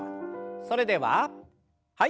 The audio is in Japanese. それでははい。